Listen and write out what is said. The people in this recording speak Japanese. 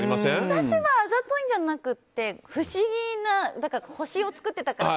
私はあざといんじゃなくて不思議な星を作ってたから。